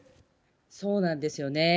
そうなんですよね。